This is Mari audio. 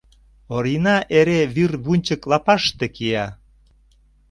Орина эре вӱр вунчык лапашыште кия.